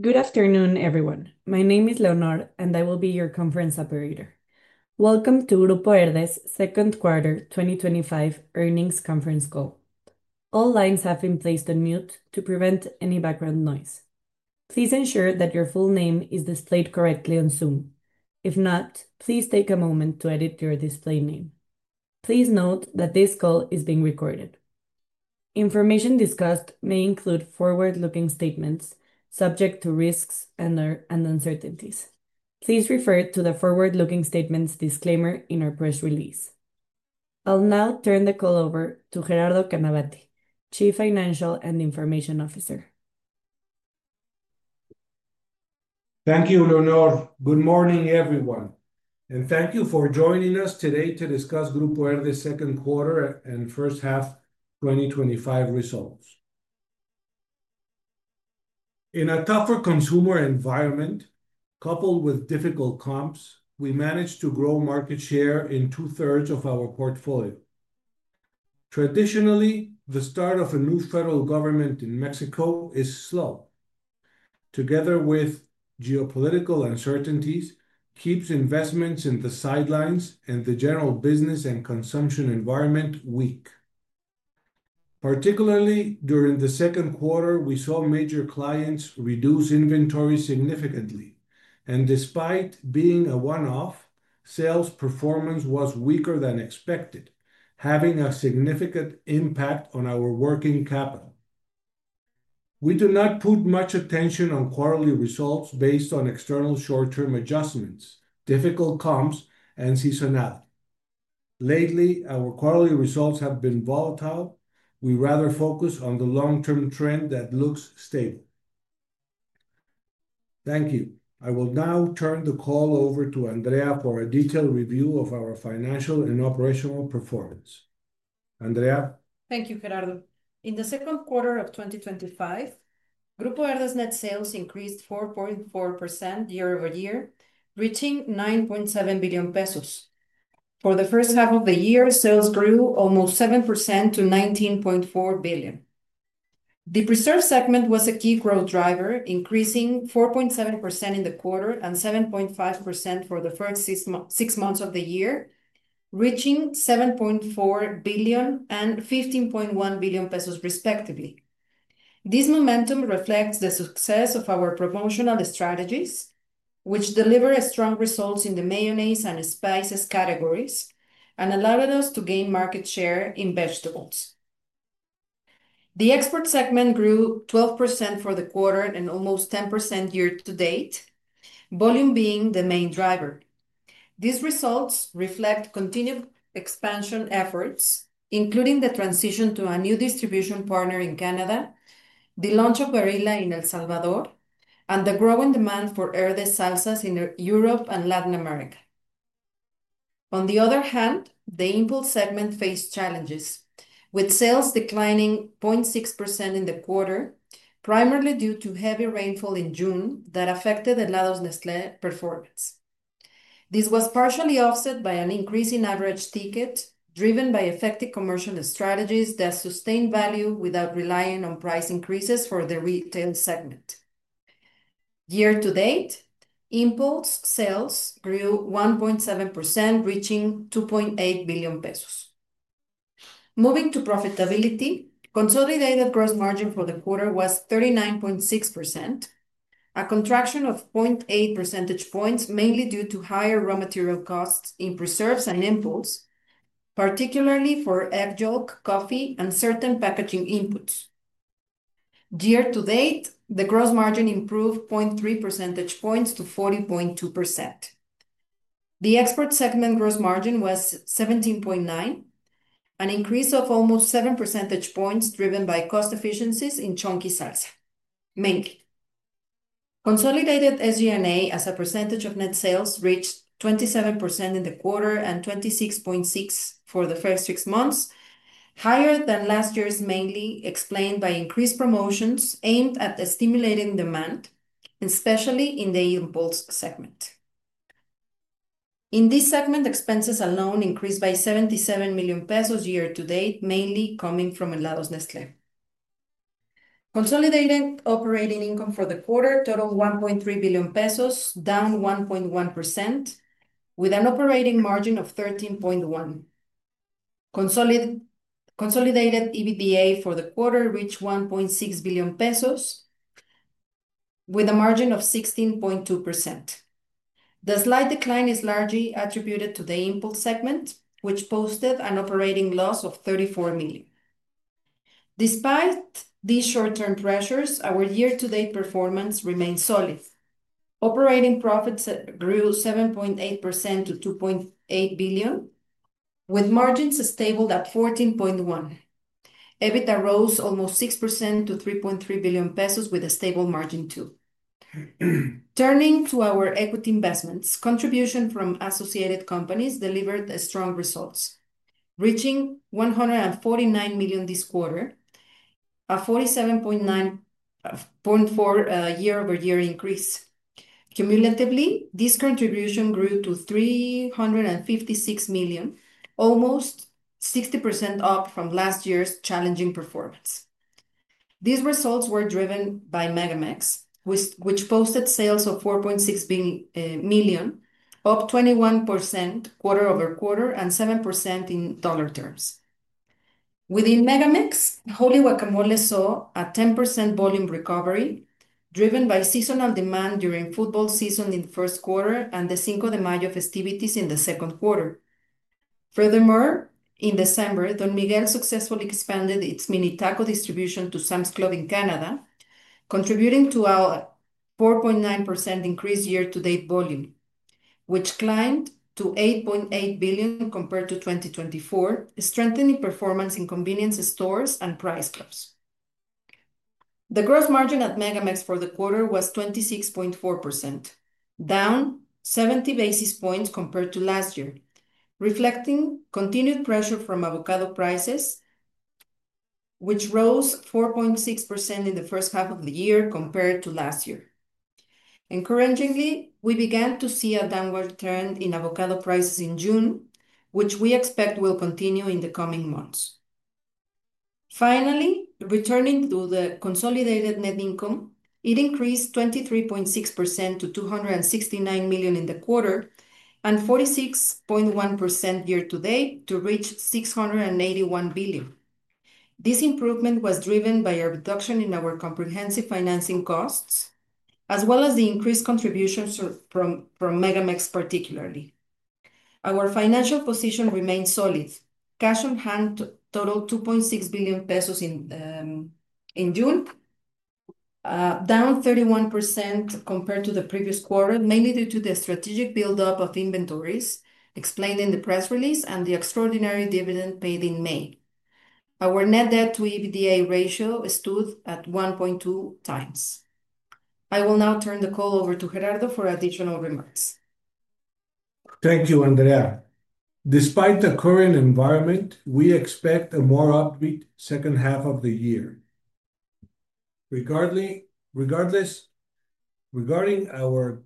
Good afternoon, everyone. My name is Leonor and I will be your conference operator. Welcome to Grupo Herdez's second quarter 2025 earnings conference call. All lines have been placed on mute to prevent any background noise. Please ensure that your full name is displayed correctly on Zoom. If not, please take a moment to edit your display name. Please note that this call is being recorded. Information discussed may include forward-looking statements subject to risks and uncertainties. Please refer to the forward-looking statements disclaimer in our press release. I'll now turn the call over to Gerardo Canavati, Chief Financial and Information Officer. Thank you, Leonor. Good morning, everyone. Thank you for joining us today to discuss Grupo Herdez's second quarter and first half 2025 results. In a tougher consumer environment, coupled with difficult comps, we managed to grow market share in two-thirds of our portfolio. Traditionally, the start of a new federal government in Mexico is slow. Together with geopolitical uncertainties, it keeps investments on the sidelines and the general business and consumption environment weak. Particularly during the second quarter, we saw major clients reduce inventory significantly. Despite being a one-off, sales performance was weaker than expected, having a significant impact on our working capital. We do not put much attention on quarterly results based on external short-term adjustments, difficult comps, and seasonality. Lately, our quarterly results have been volatile. We rather focus on the long-term trend that looks stable. Thank you. I will now turn the call over to Andrea for a detailed review of our financial and operational performance. Andrea? Thank you, Gerardo. In the second quarter of 2025, Grupo Herdez's net sales increased 4.4% year-over-year, reaching 9.7 billion pesos. For the first half of the year, sales grew almost 7% to $19.4 billion. The preserves segment was a key growth driver, increasing 4.7% in the quarter and 7.5% for the first six months of the year, reaching 7.4 billion and 15.1 billion pesos, respectively. This momentum reflects the success of our promotional strategies, which delivered strong results in the mayonnaise and spices categories and allowed us to gain market share in vegetables. The export segment grew 12% for the quarter and almost 10% year-to-date, volume being the main driver. These results reflect continued expansion efforts, including the transition to a new distribution partner in Canada, the launch of Barilla in El Salvador, and the growing demand for Herdez salsas in Europe and Latin America. On the other hand, the inbound segment faced challenges, with sales declining 0.6% in the quarter, primarily due to heavy rainfall in June that affected the Helados Nestlé performance. This was partially offset by an increase in average ticket, driven by effective commercial strategies that sustained value without relying on price increases for the retail segment. Year to date, inbound sales grew 1.7%, reaching 2.8 billion pesos. Moving to profitability, consolidated gross margin for the quarter was 39.6%, a contraction of 0.8 percentage points, mainly due to higher raw material costs in preserves and inbounds, particularly for egg yolk, coffee, and certain packaging inputs. Year to date, the gross margin improved 0.3 percentage points to 40.2%. The export segment gross margin was 17.9%, an increase of almost 7 percentage points driven by cost efficiencies in chunky salsa, mainly. Consolidated SG&A as a percentage of net sales reached 27% in the quarter and 26.6% for the first six months, higher than last year's mainly, explained by increased promotions aimed at stimulating demand, especially in the inbound segment. In this segment, expenses alone increased by 77 million pesos year-to-date, mainly coming from Helados Nestlé. Consolidated operating income for the quarter totaled 1.3 billion pesos, down 1.1%, with an operating margin of 13.1%. Consolidated EBITDA for the quarter reached 1.6 billion pesos, with a margin of 16.2%. The slight decline is largely attributed to the inbound segment, which posted an operating loss of $34 million. Despite these short-term pressures, our year-to-date performance remains solid. Operating profits grew 7.8% to $2.8 billion, with margins stable at 14.1%. EBITDA rose almost 6% to 3.3 billion pesos, with a stable margin too. Turning to our equity investments, contributions from associated companies delivered strong results, reaching $149 million this quarter, a 47.4% year-over-year increase. Cumulatively, this contribution grew to $356 million, almost 60% up from last year's challenging performance. These results were driven by MegaMex, which posted sales of $4.6 million, up 21% quarter over quarter and 7% in dollar terms. Within MegaMex, Holy Guacamole saw a 10% volume recovery, driven by seasonal demand during football season in the first quarter and the Cinco de Mayo festivities in the second quarter. Furthermore, in December, Don Miguel successfully expanded its mini taco distribution to Sam's Club in Canada, contributing to a 4.9% increase in year-to-date volume, which climbed to $8.8 billion compared to 2024, strengthening performance in convenience stores and prize clubs. The gross margin at MegaMex for the quarter was 26.4%, down 70 basis points compared to last year, reflecting continued pressure from avocado prices, which rose 4.6% in the first half of the year compared to last year. Encouragingly, we began to see a downward trend in avocado prices in June, which we expect will continue in the coming months. Finally, returning to the consolidated net income, it increased 23.6% to $269 million in the quarter and 46.1% year-to-date to reach $681 billion. This improvement was driven by a reduction in our comprehensive financing costs, as well as the increased contributions from MegaMex particularly. Our financial position remains solid. Cash on hand totaled 2.6 billion pesos in June, down 31% compared to the previous quarter, mainly due to the strategic buildup of inventories, explained in the press release, and the extraordinary dividend paid in May. Our net debt to EBITDA ratio stood at 1.2 times. I will now turn the call over to Gerardo for additional remarks. Thank you, Andrea. Despite the current environment, we expect a more upbeat second half of the year. Regarding our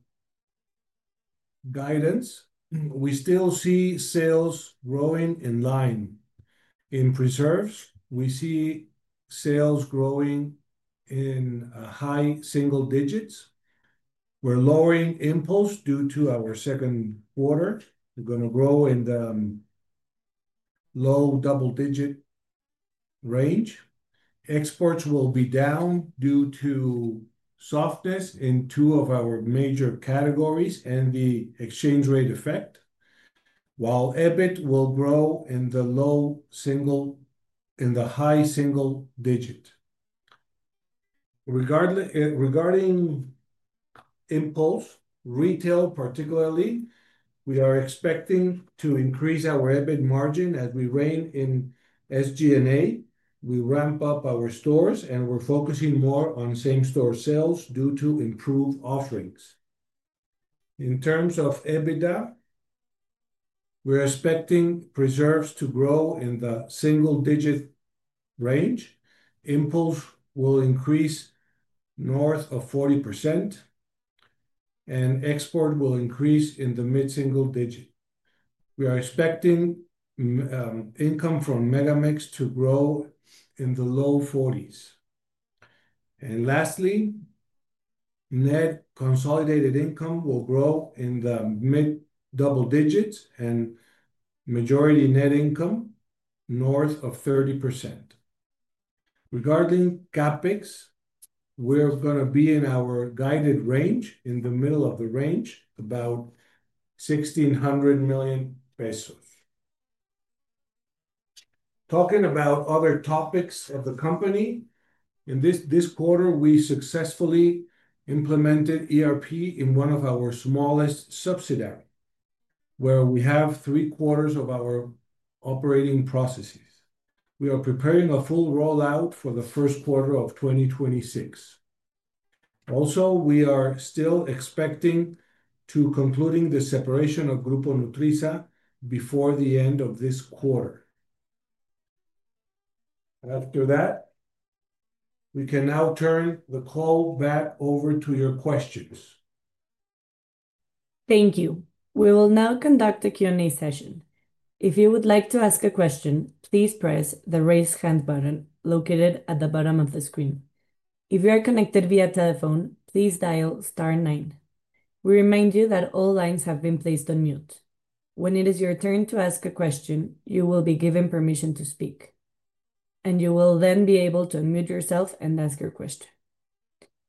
guidance, we still see sales growing in line. In preserves, we see sales growing in high single digits. We're lowering inbounds due to our second quarter. We're going to grow in the low double-digit range. Exports will be down due to softness in two of our major categories and the exchange rate effect, while EBIT will grow in the low single and the high single digit. Regarding inbound, retail particularly, we are expecting to increase our EBIT margin as we rein in SG&A. We ramp up our stores, and we're focusing more on same-store sales due to improved offerings. In terms of EBITDA, we're expecting preserves to grow in the single-digit range, inbound will increase north of 40%, and export will increase in the mid-single digit. We are expecting income from MegaMex to grow in the low 40s. Lastly, net consolidated income will grow in the mid-double digits and majority net income north of 30%. Regarding CAPEX, we're going to be in our guided range, in the middle of the range, about 1,600 million pesos. Talking about other topics of the company, in this quarter, we successfully implemented ERP in one of our smallest subsidiaries, where we have three quarters of our operating processes. We are preparing a full rollout for the first quarter of 2026. We are still expecting to conclude the separation of Grupo Nutrisa before the end of this quarter. After that, we can now turn the call back over to your questions. Thank you. We will now conduct a Q&A session. If you would like to ask a question, please press the Raise Hand button located at the bottom of the screen. If you are connected via telephone, please dial *9. We remind you that all lines have been placed on mute. When it is your turn to ask a question, you will be given permission to speak, and you will then be able to unmute yourself and ask your question.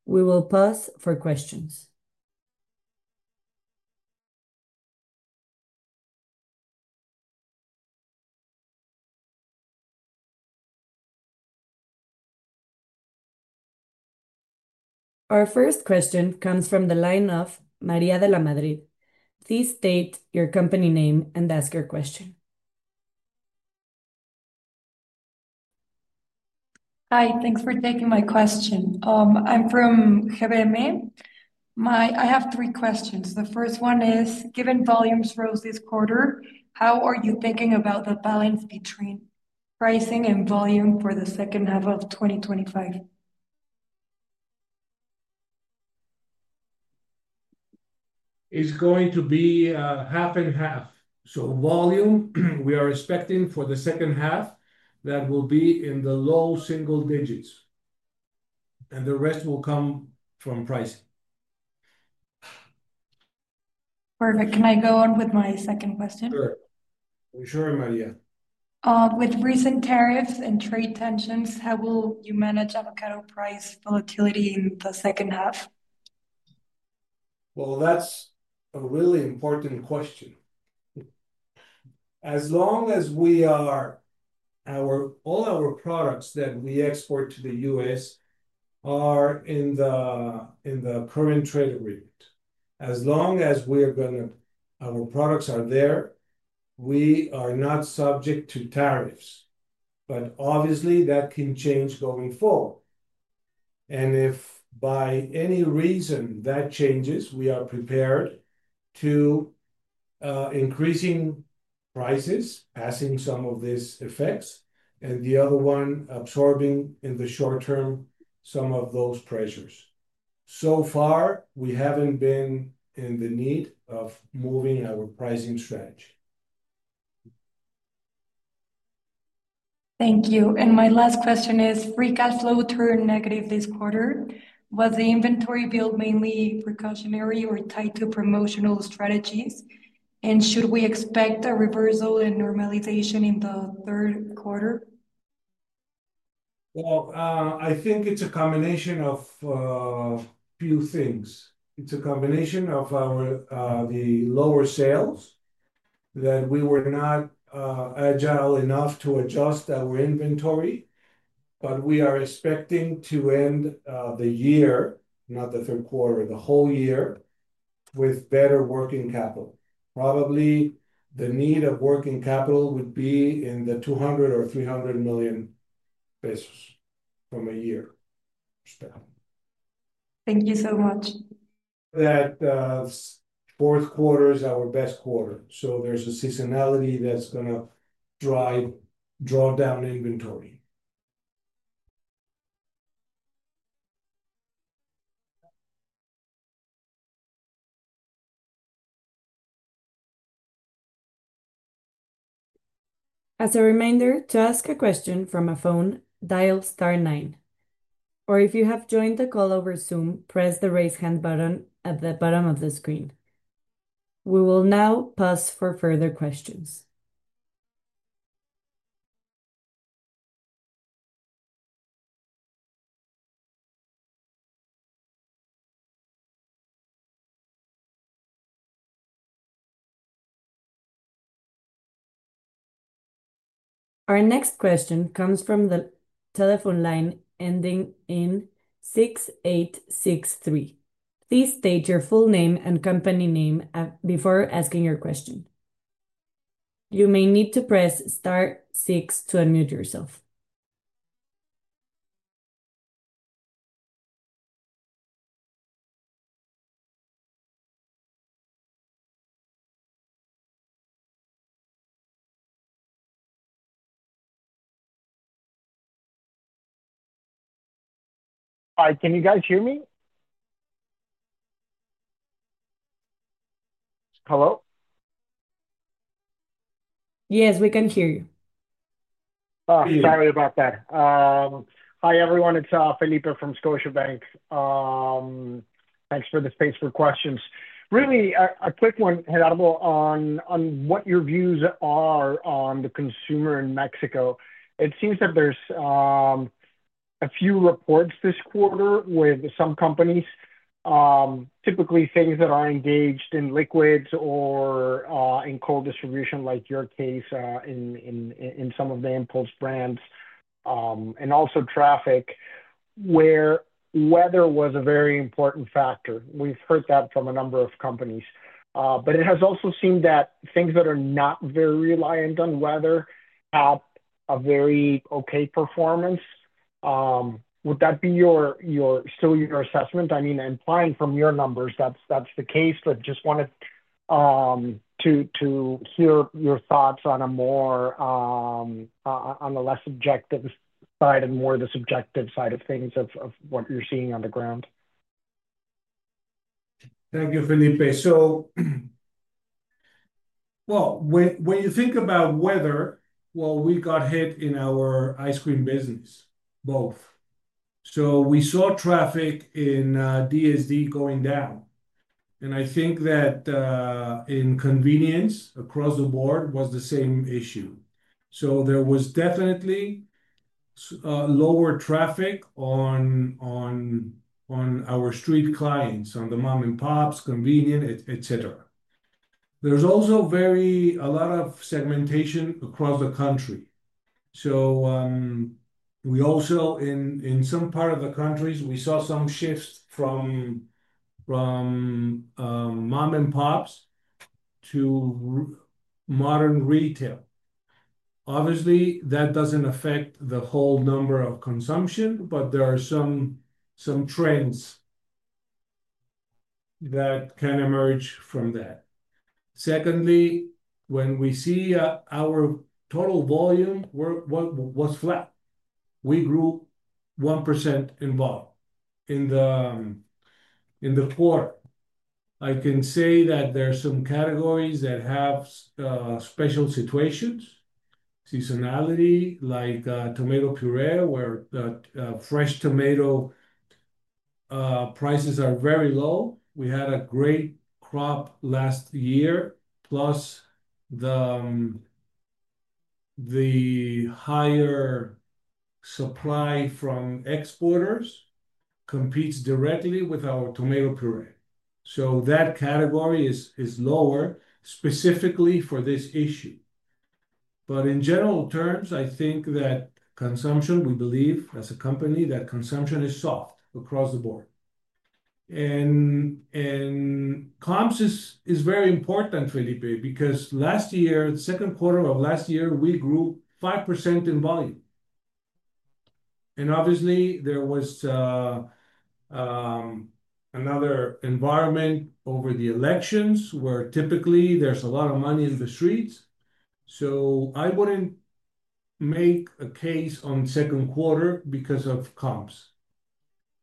We will pause for questions. Our first question comes from the line of María de la Madrid. Please state your company name and ask your question. Hi, thanks for taking my question. I'm from Jereme. I have three questions. The first one is, given volume struggles this quarter, how are you thinking about the balance between pricing and volume for the second half of 2025? It's going to be half and half. Volume we are expecting for the second half will be in the low single digits, and the rest will come from pricing. Perfect. Can I go on with my second question? Sure. I'm sure, María. With recent tariffs and trade tensions, how will you manage avocado price volatility in the second half? That is a really important question. As long as we are, all our products that we export to the U.S. are in the current trade agreement. As long as we are going to, our products are there, we are not subject to tariffs. Obviously, that can change going forward. If by any reason that changes, we are prepared to increase prices, passing some of these effects, and the other one, absorbing in the short term some of those pressures. So far, we haven't been in the need of moving our pricing strategy. Thank you. My last question is, free cash flow turned negative this quarter. Was the inventory build mainly precautionary or tied to promotional strategies? Should we expect a reversal and normalization in the third quarter? I think it's a combination of a few things. It's a combination of the lower sales that we were not agile enough to adjust our inventory, but we are expecting to end the year, not the third quarter, the whole year with better working capital. Probably the need of working capital would be in the 200 or 300 million pesos from a year. Thank you so much. The fourth quarter is our best quarter. There's a seasonality that's going to drive drawdown inventory. As a reminder, to ask a question from a phone, dial star 9. If you have joined the call over Zoom, press the Raise Hand button at the bottom of the screen. We will now pause for further questions. Our next question comes from the telephone line ending in 6863. Please state your full name and company name before asking your question. You may need to press Star 6 to unmute yourself. Hi, can you guys hear me? Hello? Yes, we can hear you. Sorry about that. Hi, everyone. It's Felipe from Scotiabank. Thanks for the space for questions. Really, a quick one, Gerardo, on what your views are on the consumer in Mexico. It seems that there's a few reports this quarter with some companies, typically things that are engaged in liquids or in cold distribution like your case in some of the inbound brands, and also traffic where weather was a very important factor. We've heard that from a number of companies. It has also seemed that things that are not very reliant on weather have a very okay performance. Would that be still your assessment? I mean, I'm fine from your numbers. That's the case, just wanted to hear your thoughts on a more on the less objective side and more of the subjective side of things of what you're seeing on the ground. Thank you, Felipe. When you think about weather, we got hit in our ice cream business, both. We saw traffic in DSD going down. I think that in convenience across the board was the same issue. There was definitely lower traffic on our street clients, on the mom-and-pops, convenience, etc. There's also a lot of segmentation across the country. In some parts of the country, we saw some shifts from mom-and-pops to modern retail. Obviously, that doesn't affect the whole number of consumption, but there are some trends that can emerge from that. Secondly, when we see our total volume was flat. We grew 1% in the quarter. I can say that there are some categories that have special situations, seasonality, like tomato puree, where the fresh tomato prices are very low. We had a great crop last year, plus the higher supply from exporters competes directly with our tomato puree. That category is lower specifically for this issue. In general terms, I think that consumption, we believe as a company, that consumption is soft across the board. Comps is very important, Felipe, because last year, the second quarter of last year, we grew 5% in volume. Obviously, there was another environment over the elections where typically there's a lot of money in the streets. I wouldn't make a case on the second quarter because of comps.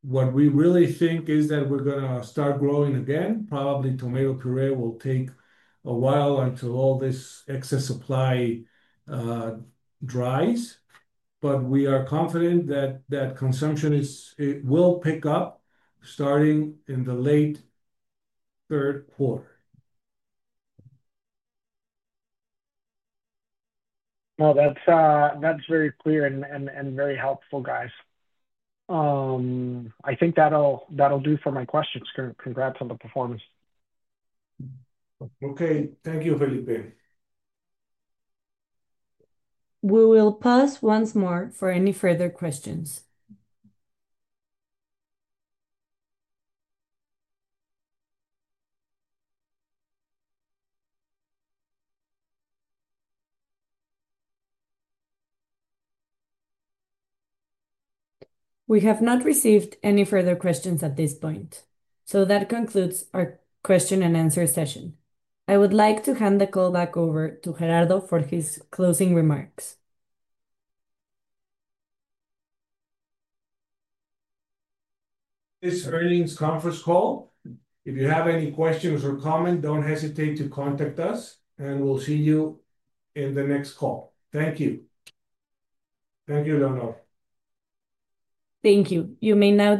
What we really think is that we're going to start growing again. Probably tomato puree will take a while until all this excess supply dries, but we are confident that consumption will pick up starting in the late third quarter. No, that's very clear and very helpful, guys. I think that'll do for my questions. Congrats on the performance. Okay. Thank you, Felipe. We will pause once more for any further questions. We have not received any further questions at this point. That concludes our question and answer session. I would like to hand the call back over to Gerardo for his closing remarks. This earnings conference call. If you have any questions or comments, don't hesitate to contact us, and we'll see you in the next call. Thank you. Thank you, Leonor. Thank you. You may now.